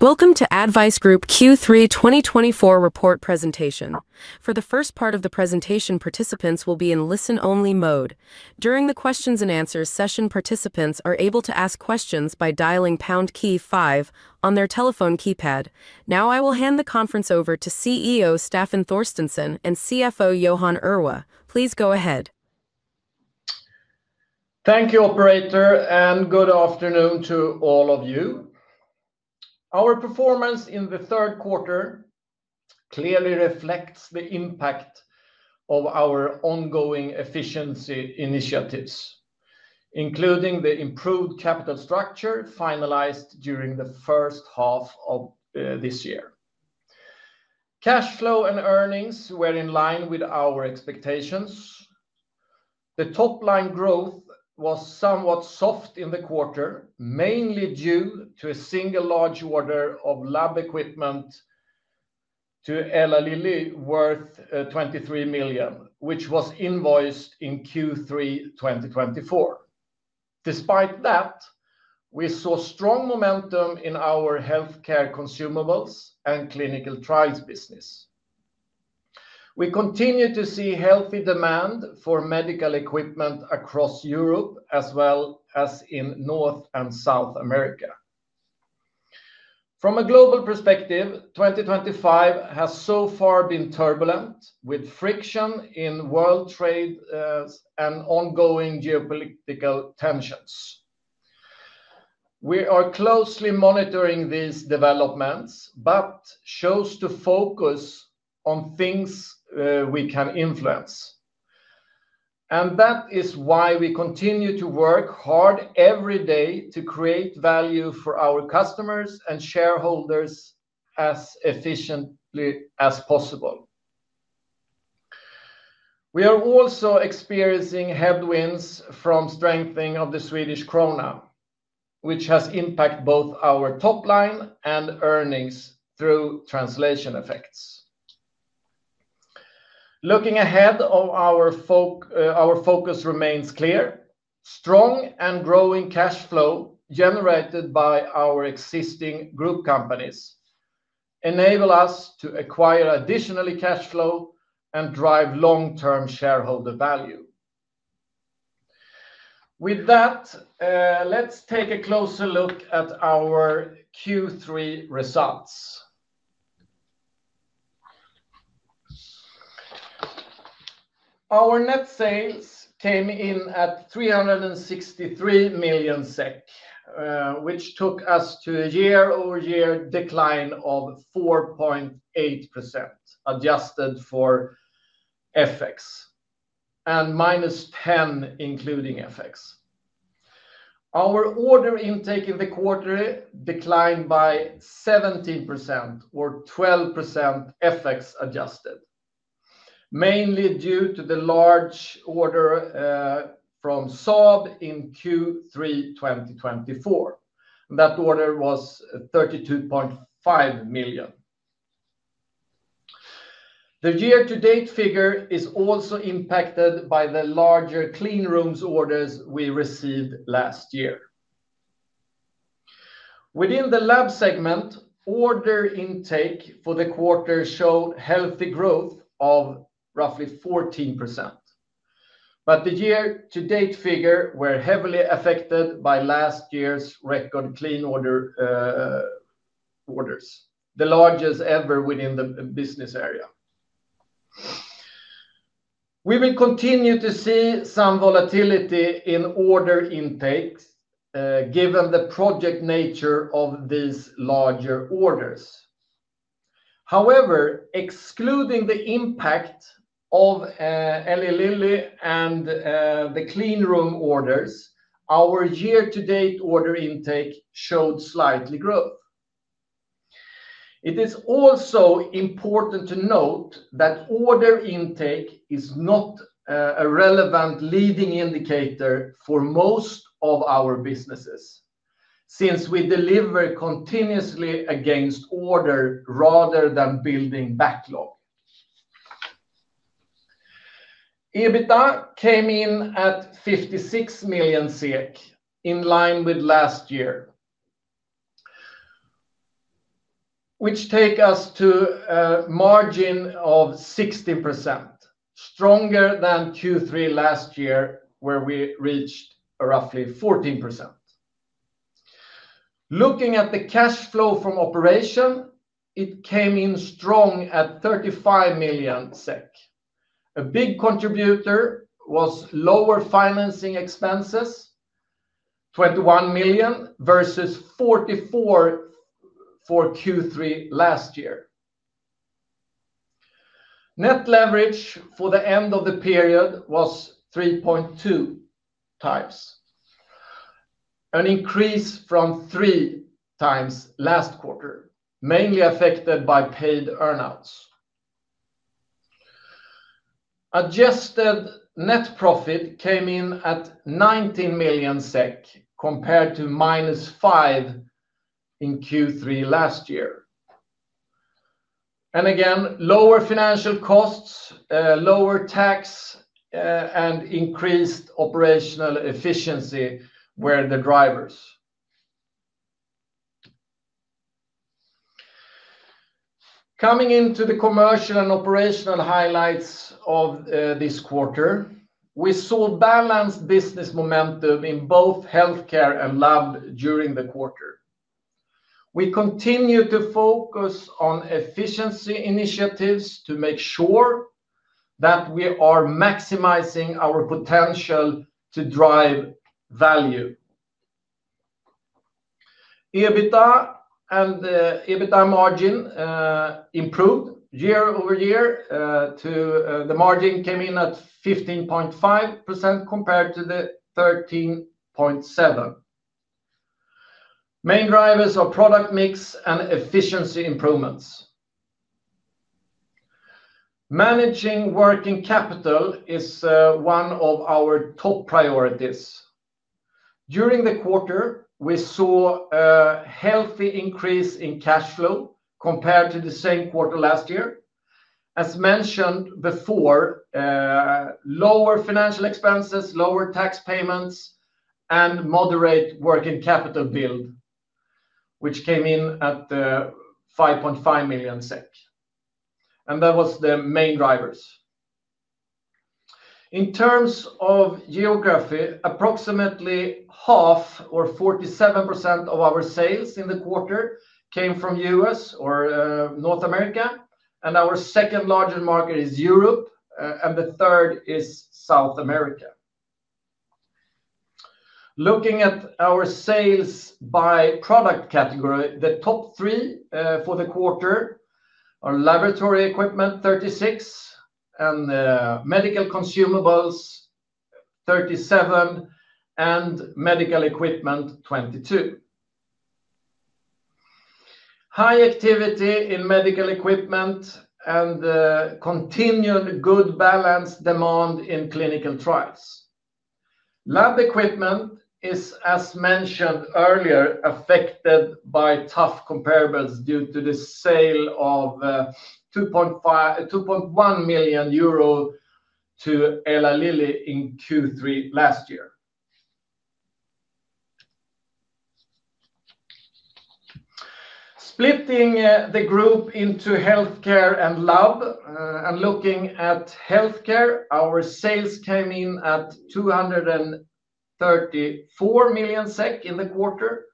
Welcome to ADDvise Group AB Q3 2024 report presentation. For the first part of the presentation, participants will be in listen-only mode. During the questions and answers session, participants are able to ask questions by dialing pound key 5 on their telephone keypad. Now, I will hand the conference over to CEO Staffan Torstensson and CFO Johan Irwe. Please go ahead. Thank you, operator, and good afternoon to all of you. Our performance in the third quarter clearly reflects the impact of our ongoing efficiency initiatives, including the improved capital structure finalized during the first half of this year. Cash flow and earnings were in line with our expectations. The top-line growth was somewhat soft in the quarter, mainly due to a single large order of laboratory equipment to Eli Lilly worth 23 million, which was invoiced in Q3 2024. Despite that, we saw strong momentum in our healthcare consumables and clinical trials business. We continue to see healthy demand for medical equipment across Europe as well as in North America and South America. From a global perspective, 2024 has so far been turbulent, with friction in world trade and ongoing geopolitical tensions. We are closely monitoring these developments, but choose to focus on things we can influence. That is why we continue to work hard every day to create value for our customers and shareholders as efficiently as possible. We are also experiencing headwinds from strengthening of the Swedish krona, which has impacted both our top-line and earnings through translation effects. Looking ahead, our focus remains clear: strong and growing cash flow generated by our existing group companies enable us to acquire additional cash flow and drive long-term shareholder value. With that, let's take a closer look at our Q3 results. Our net sales came in at 363 million SEK, which took us to a year-over-year decline of 4.8% adjusted for FX and -10% including FX. Our order intake in the quarter declined by 17% or 12% FX-adjusted, mainly due to the large order from Eli Lilly in Q3 2024. That order was 32.5 million. The year-to-date figure is also impacted by the larger clean rooms orders we received last year. Within the laboratory segment, order intake for the quarter showed healthy growth of roughly 14%. The year-to-date figures were heavily affected by last year's record clean room orders, the largest ever within the business area. We will continue to see some volatility in order intake, given the project nature of these larger orders. However, excluding the impact of Eli Lilly and the clean room orders, our year-to-date order intake showed slight growth. It is also important to note that order intake is not a relevant leading indicator for most of our businesses since we deliver continuously against order rather than building backlog. EBITDA came in at 56 million SEK in line with last year, which takes us to a margin of 16%, stronger than Q3 last year where we reached roughly 14%. Looking at the cash flow from operations, it came in strong at 35 million SEK. A big contributor was lower financing expenses, 21 million versus 44 million for Q3 last year. Net leverage for the end of the period was 3.2x, an increase from 3x last quarter, mainly affected by paid earnouts. Adjusted net profit came in at 19 million SEK compared to -5 million in Q3 last year. Lower financial costs, lower tax, and increased operational efficiency were the drivers. Coming into the commercial and operational highlights of this quarter, we saw balanced business momentum in both healthcare and lab during the quarter. We continue to focus on efficiency initiatives to make sure that we are maximizing our potential to drive value. EBITDA and EBITDA margin improved year over year. The margin came in at 15.5% compared to 13.7%. Main drivers are product mix and efficiency improvements. Managing working capital is one of our top priorities. During the quarter, we saw a healthy increase in cash flow compared to the same quarter last year. As mentioned before, lower financial expenses, lower tax payments, and moderate working capital build, which came in at 5.5 million SEK. That was the main driver. In terms of geography, approximately half or 47% of our sales in the quarter came from the U.S. or North America, and our second largest market is Europe, and the third is South America. Looking at our sales by product category, the top three for the quarter are laboratory equipment, 36, medical consumables, 37, and medical equipment, 22. High activity in medical equipment and continued good balanced demand in clinical trials. Laboratory equipment is, as mentioned earlier, affected by tough comparables due to the sale of 2.1 million euro to Eli Lilly in Q3 last year. Splitting the group into healthcare and lab, and looking at healthcare, our sales came in at 234 million SEK in the quarter.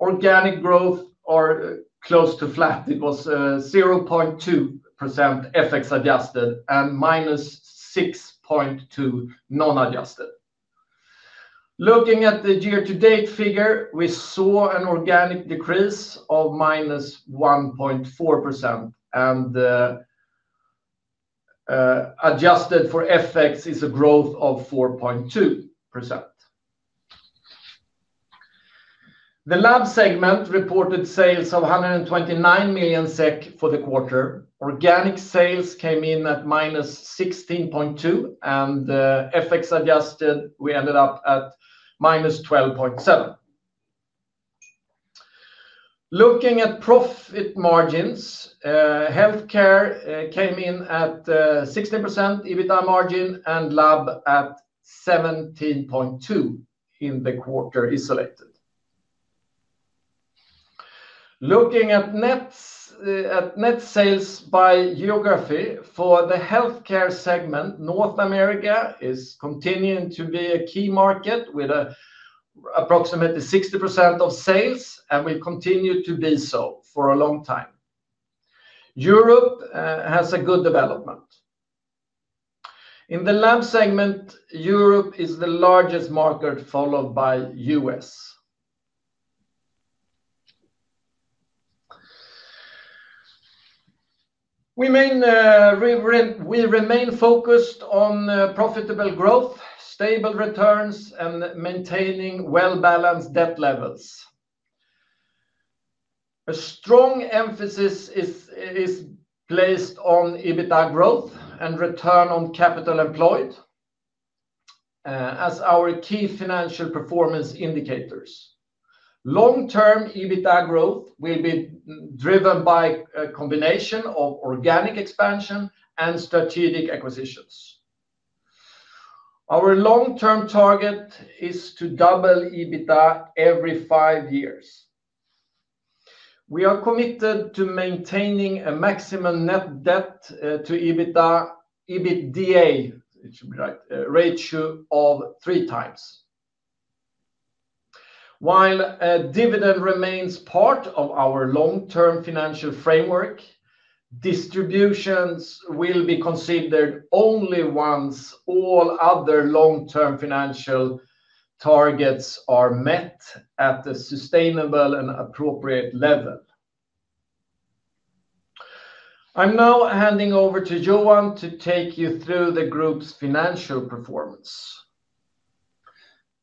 Organic growth was close to flat, it was 0.2% FX-adjusted and -6.2% non-adjusted. Looking at the year-to-date figure, we saw an organic decrease of -1.4%, and adjusted for FX is a growth of 4.2%. The lab segment reported sales of 129 million SEK for the quarter. Organic sales came in at -16.2%, and FX-adjusted, we ended up at -12.7%. Looking at profit margins, healthcare came in at 16% EBITDA margin and lab at 17.2% in the quarter isolated. Looking at net sales by geography, for the healthcare segment, North America is continuing to be a key market with approximately 60% of sales, and we continue to be so for a long time. Europe has a good development. In the lab segment, Europe is the largest market followed by the U.S. We remain focused on profitable growth, stable returns, and maintaining well-balanced debt levels. A strong emphasis is placed on EBITDA growth and return on capital employed as our key financial performance indicators. Long-term EBITDA growth will be driven by a combination of organic expansion and strategic acquisitions. Our long-term target is to double EBITDA every five years. We are committed to maintaining a maximum net debt to EBITDA ratio of three times. While dividend remains part of our long-term financial framework, distributions will be considered only once all other long-term financial targets are met at a sustainable and appropriate level. I'm now handing over to Johan to take you through the group's financial performance.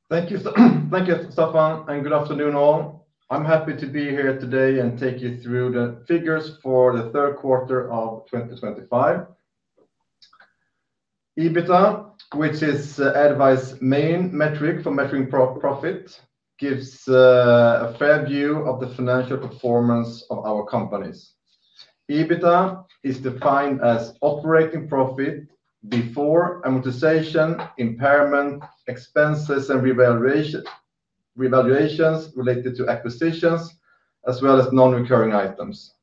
Thank you, Staffan, and good afternoon all. I'm happy to be here today and take you through the figures for the third quarter of 2025. EBITDA, which is ADDvise's main metric for measuring profit, gives a fair view of the financial performance of our companies. EBITDA is defined as operating profit before amortization, impairment, expenses, and revaluations related to acquisitions, as well as non-recurring items.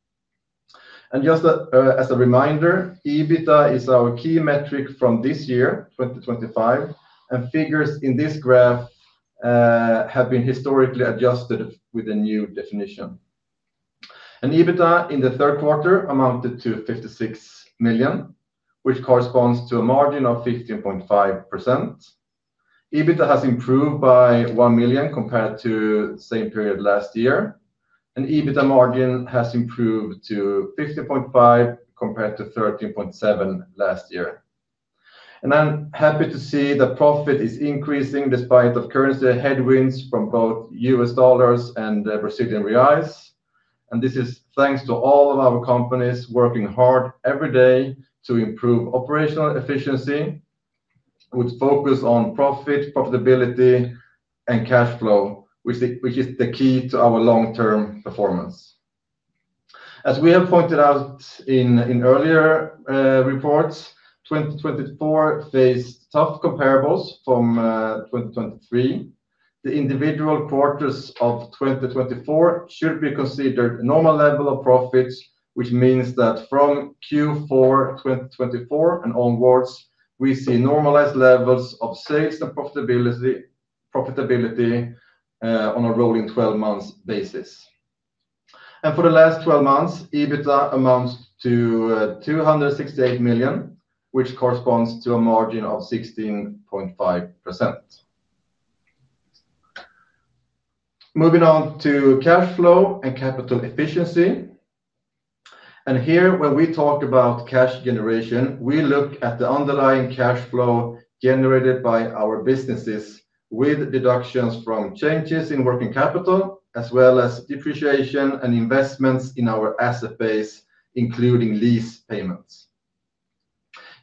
Just as a reminder, EBITDA is our key metric from this year, 2025, and figures in this graph have been historically adjusted with a new definition. EBITDA in the third quarter amounted to 56 million, which corresponds to a margin of 15.5%. EBITDA has improved by 1 million compared to the same period last year. EBITDA margin has improved to 15.5% compared to 13.7% last year. I'm happy to see that profit is increasing despite the currency headwinds from both U.S. dollars and the Brazilian reais. This is thanks to all of our companies working hard every day to improve operational efficiency with focus on profit, profitability, and cash flow, which is the key to our long-term performance. As we have pointed out in earlier reports, 2024 faced tough comparables from 2023. The individual quarters of 2024 should be considered a normal level of profits, which means that from Q4 2024 and onwards, we see normalized levels of sales and profitability on a rolling 12-month basis. For the last 12 months, EBITDA amounts to 268 million, which corresponds to a margin of 16.5%. Moving on to cash flow and capital efficiency. Here, when we talk about cash generation, we look at the underlying cash flow generated by our businesses with deductions from changes in working capital, as well as depreciation and investments in our asset base, including lease payments.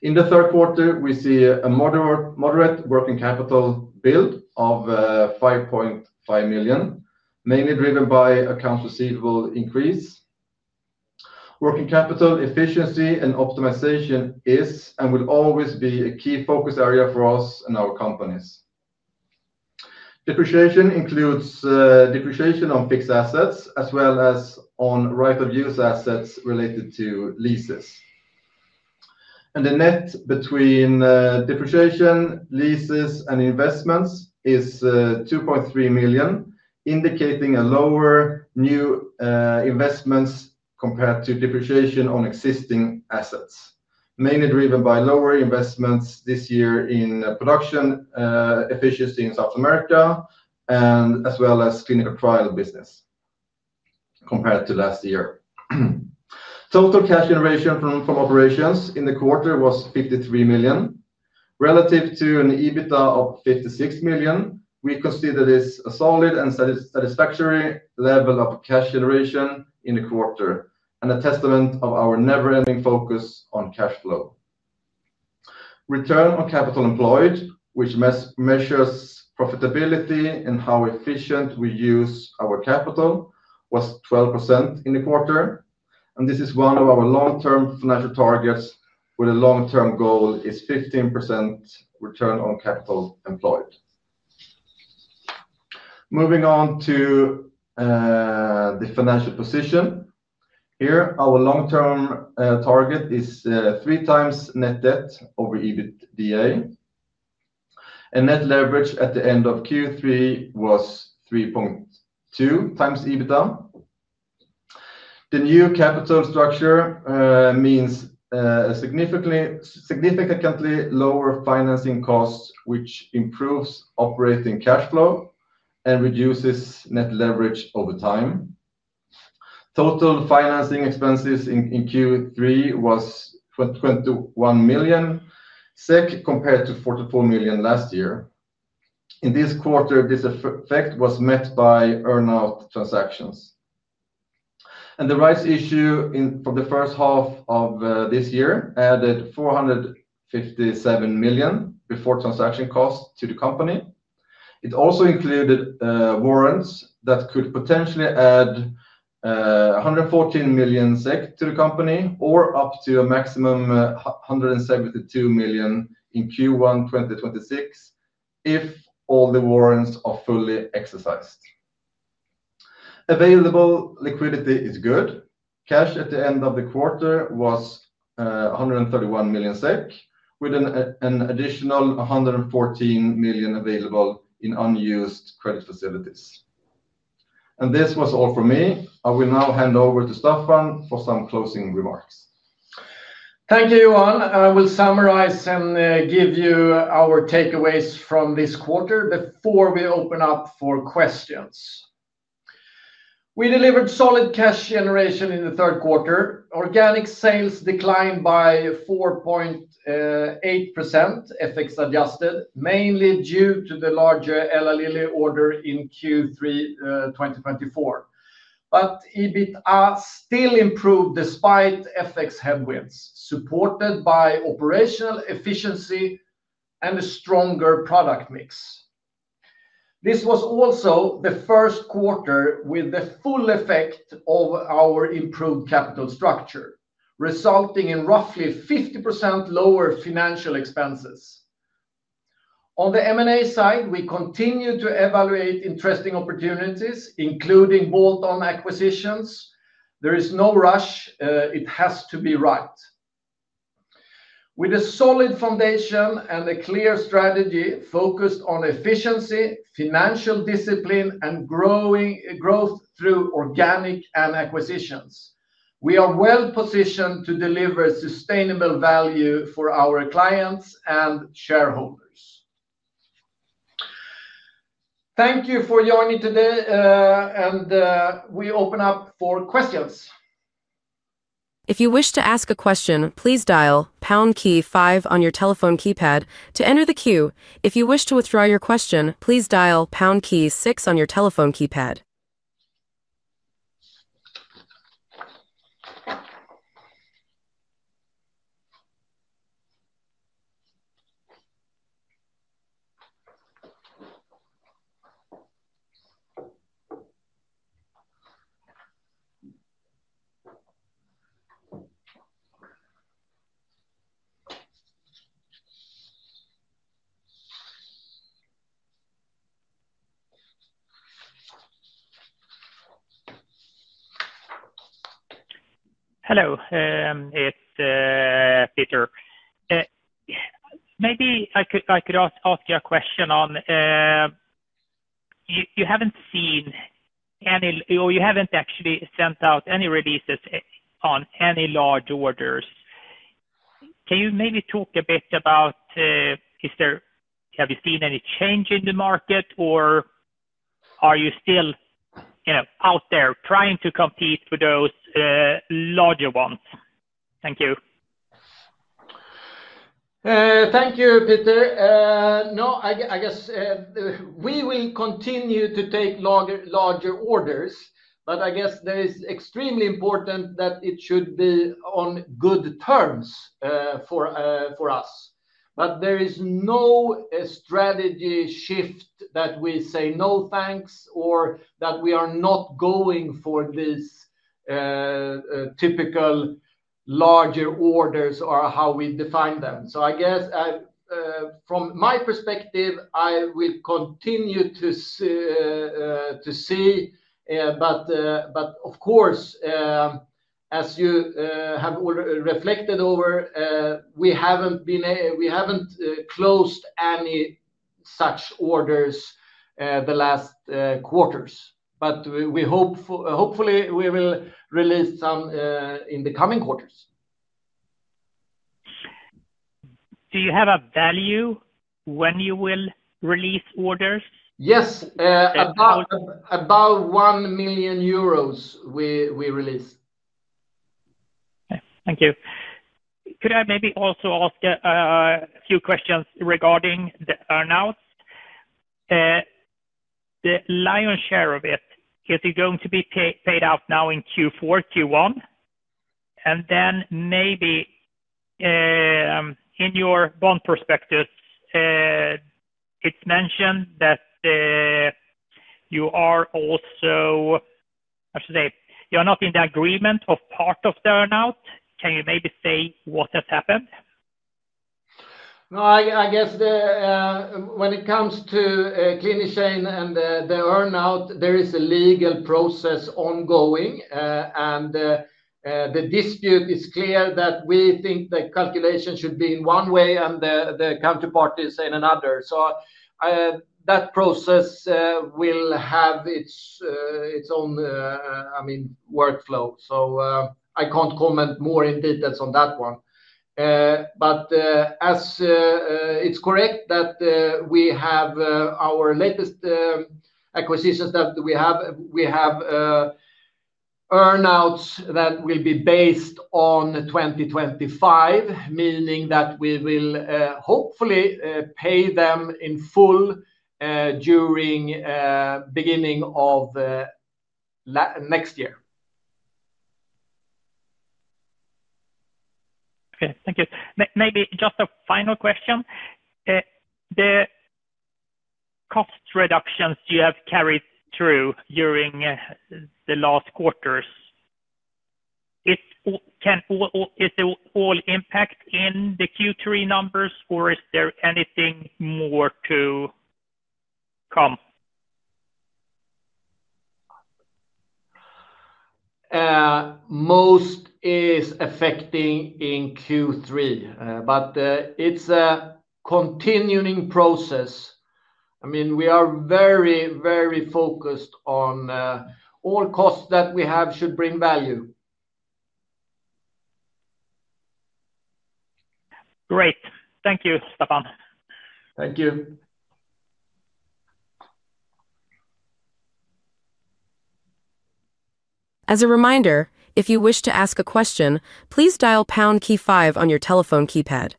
In the third quarter, we see a moderate working capital build of 5.5 million, mainly driven by accounts receivable increase. Working capital efficiency and optimization is and will always be a key focus area for us and our companies. Depreciation includes depreciation on fixed assets, as well as on right-of-use assets related to leases. The net between depreciation, leases, and investments is 2.3 million, indicating lower new investments compared to depreciation on existing assets, mainly driven by lower investments this year in production efficiency in South America as well as clinical trial business compared to last year. Total cash generation from operations in the quarter was 53 million. Relative to an EBITDA of 56 million, we consider this a solid and satisfactory level of cash generation in the quarter and a testament of our never-ending focus on cash flow. Return on capital employed, which measures profitability and how efficient we use our capital, was 12% in the quarter. This is one of our long-term financial targets where the long-term goal is 15% return on capital employed. Moving on to the financial position. Here, our long-term target is 3x net debt over EBITDA. Net leverage at the end of Q3 was 3.2x EBITDA. The new capital structure means a significantly lower financing cost, which improves operating cash flow and reduces net leverage over time. Total financing expenses in Q3 were 21 million SEK compared to 44 million last year. In this quarter, this effect was met by earnout transactions. The rights issue from the first half of this year added 457 million before transaction costs to the company. It also included warrants that could potentially add 114 million SEK to the company or up to a maximum of 172 million in Q1 2026 if all the warrants are fully exercised. Available liquidity is good. Cash at the end of the quarter was 131 million SEK, with an additional 114 million available in unused credit facilities. This was all for me. I will now hand over to Staffan for some closing remarks. Thank you, Johan. I will summarize and give you our takeaways from this quarter before we open up for questions. We delivered solid cash generation in the third quarter. Organic sales declined by 4.8% FX-adjusted, mainly due to the larger Eli Lilly order in Q3 2024. EBITDA still improved despite FX headwinds, supported by operational efficiency and a stronger product mix. With a solid foundation and a clear strategy focused on efficiency, financial discipline, and growth through organic and acquisitions, we are well positioned to deliver sustainable value for our clients and shareholders. Thank you for joining today, and we open up for questions. If you wish to ask a question, please dial pound key 5 on your telephone keypad to enter the queue. If you wish to withdraw your question, please dial pound key 6 on your telephone keypad. Hello. It's Peter. Maybe I could ask you a question. You haven't seen any, or you haven't actually sent out any releases on any large orders. Can you maybe talk a bit about, have you seen any change in the market, or are you still out there trying to compete for those larger ones? Thank you. Thank you, Peter. No, I guess we will continue. Take Larger orders, I guess that it is extremely important that it should be on good terms for us. There is no strategy shift that we say, "No, thanks," or that we are not going for these typical larger orders or how we define them. From my perspective, I will continue to see, but of course, as you have already reflected over, we haven't closed any such orders the last quarters. We hope, hopefully, we will release some in the coming quarters. Do you have a value when you will release orders? Yes. How would? About EUR 1 million we release. Okay, thank you. Could I maybe also ask a few questions regarding the earnouts? The lion's share of it, is it going to be paid out now in Q4, Q1? In your bond prospectus, it's mentioned that you are also, I should say, you are not in the agreement of part of the earnout. Can you maybe say what has happened? When it comes to Clinician and the earnout, there is a legal process ongoing. The dispute is clear that we think the calculation should be in one way and the counterparty is in another. That process will have its own workflow. I can't comment more in detail on that one. It is correct that with our latest acquisitions, we have earnouts that will be based on 2025, meaning that we will hopefully pay them in full during the beginning of next year. Okay. Thank you. Maybe just a final question. The cost reductions you have carried through during the last quarters, is the whole impact in the Q3 numbers, or is there anything more to come? Most is affecting in Q3, but it's a continuing process. I mean, we are very, very focused on all costs that we have should bring value. Great. Thank you, Staffan. Thank you. As a reminder, if you wish to ask a question, please dial pound key five on your telephone keypad.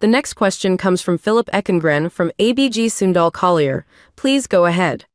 The next question comes from Philip Ekengren from ABG Sundal Collier. Please go ahead.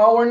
Awesome,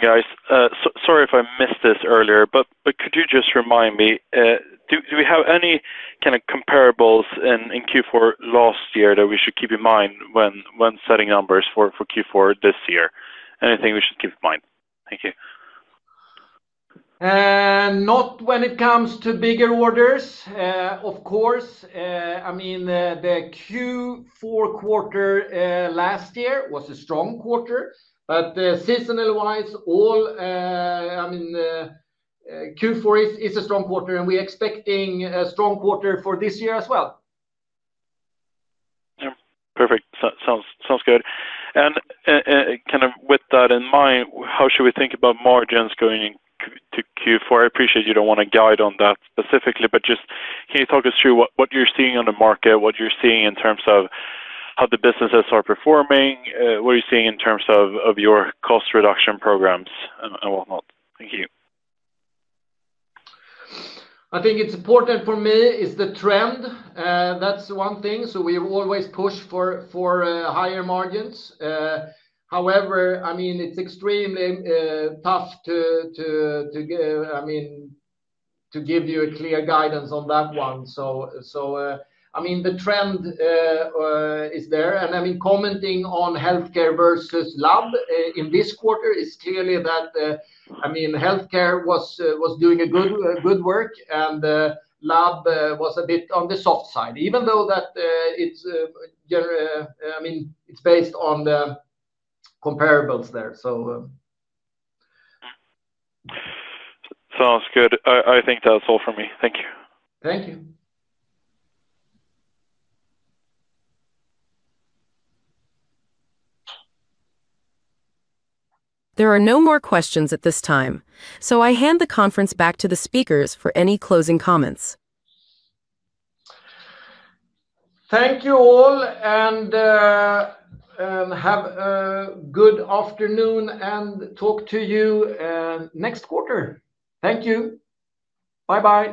guys. Sorry if I missed this earlier, but could you just remind me, do we have any kind of comparables in Q4 last year that we should keep in mind when setting numbers for Q4 this year? Anything we should keep in mind? Thank you. Not when it comes to bigger orders, of course. I mean, the Q4 quarter last year was a strong quarter. Seasonal-wise, Q4 is a strong quarter, and we're expecting a strong quarter for this year as well. Yeah. Perfect. Sounds good. With that in mind, how should we think about margins going into Q4? I appreciate you don't want to guide on that specifically, but just can you talk us through what you're seeing on the market, what you're seeing in terms of how the businesses are performing, what you're seeing in terms of your cost reduction programs, and whatnot? Thank you. I think what's important for me is the trend. That's one thing. We have always pushed for higher margins. However, it's extremely tough to give you a clear guidance on that one. The trend is there. Commenting on healthcare versus lab in this quarter, it's clearly that healthcare was doing good work, and lab was a bit on the soft side, even though it's based on the comparables there. Sounds good. I think that's all for me. Thank you. Thank you. There are no more questions at this time. I hand the conference back to the speakers for any closing comments. Thank you all, and have a good afternoon, and talk to you next quarter. Thank you. Bye-bye.